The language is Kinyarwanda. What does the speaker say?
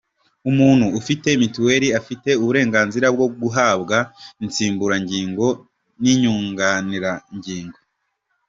Umuntu ufite Mitiweli afite uburenganzira bwo guhabwa insimburangingo n’inyunganirangingo.